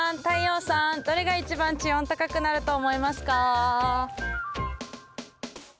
太陽さんどれが一番地温高くなると思いますか？